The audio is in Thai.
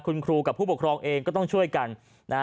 คุณครูกับผู้ปกครองเองก็ต้องช่วยกันนะฮะ